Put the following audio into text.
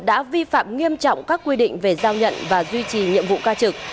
đã vi phạm nghiêm trọng các quy định về giao nhận và duy trì nhiệm vụ ca trực